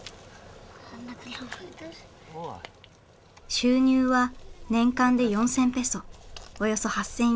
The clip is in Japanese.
収入は年間で４，０００ペソおよそ８，０００円。